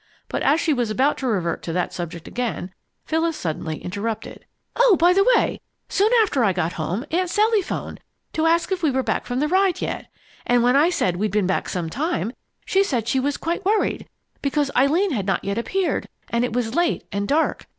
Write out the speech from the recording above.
But as she was about to revert to that subject again, Phyllis suddenly interrupted: "Oh, by the way, soon after I got home, Aunt Sally 'phoned to ask if we were back from the ride yet. And when I said we'd been back some time, she said she was quite worried because Eileen had not yet appeared and it was late and dark.